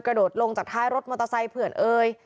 โดดลงจากท้ายรถมอเตอร์ไซค์เพื่อนเอ่ย